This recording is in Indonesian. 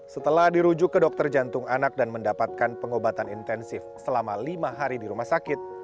setelah dirujuk ke dokter jantung anak dan mendapatkan pengobatan intensif selama lima hari di rumah sakit